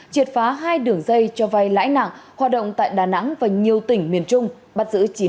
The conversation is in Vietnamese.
triệt phá hai đường dây cho vay lãi nặng hoạt động tại đà nẵng và nhiều tỉnh miền trung bắt giữ chín người